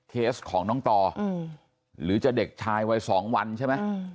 เคสของน้องต่อหรือจะเด็กชายวัย๒วันใช่ไหม